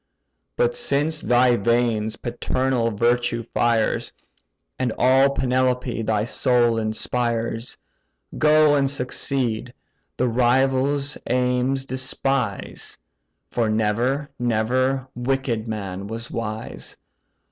But since thy veins paternal virtue fires, And all Penelope thy soul inspires, Go, and succeed: the rivals' aims despise; For never, never wicked man was wise.